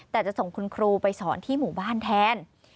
แต่จะส่งคุณครูไปสอนที่หมู่บ้านแทน